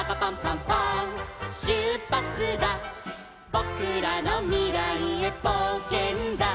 「ぼくらのみらいへぼうけんだ」